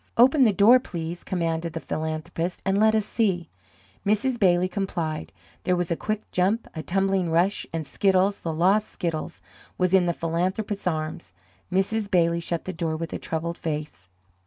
"Open the door, please," commanded the philanthropist, "and let us see." Mrs. Bailey complied. There was a quick jump, a tumbling rush, and Skiddles, the lost Skiddles, was in the philanthropist's arms. Mrs. Bailey shut the door with a troubled face.